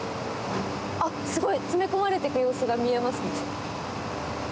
すごい詰め込まれていく様子が見えますね。